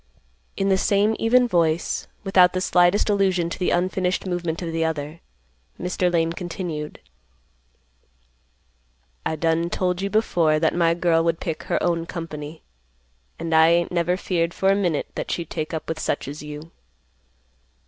In the same even voice, without the slightest allusion to the unfinished movement of the other, Mr. Lane continued, "I done told you before that my girl would pick her own company, and I ain't never feared for a minute that she'd take up with such as you.